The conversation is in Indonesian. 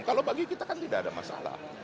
kalau bagi kita kan tidak ada masalah